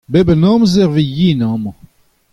Bep an amzer e vez yen amañ.